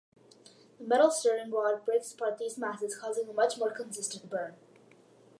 The metal stirring rod breaks apart these masses, causing a much more consistent burn.